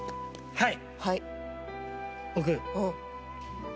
はい。